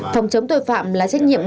phòng chống tội phạm là trách nhiệm